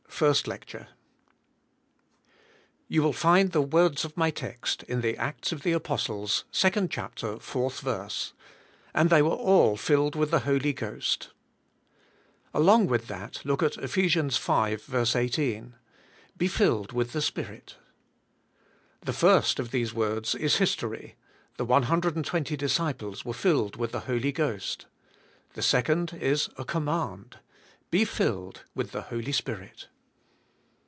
73 JBe f tlle& mm tbe Spirit You will find the words of my text in the Acts of the Apostles, second chapter, fourth verse: "And they were all filled with the Holy Ghost." Along with that look at Kph. 5:18: "Be filled with the Spirit." The first of these words is history; the 120 disciples were filled with the Holy Ghost. The second is a command — "Be filled with the Holy Spirit."